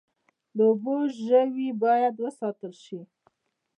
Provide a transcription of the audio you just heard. د اوبو ژوي باید وساتل شي